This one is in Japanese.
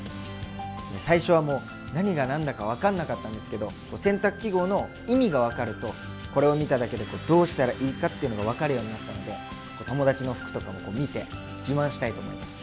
最初はもう何が何だか分かんなかったんですけど洗濯記号の意味が分かるとこれを見ただけでどうしたらいいかっていうのが分かるようになったので友達の服とか見て自慢したいと思います。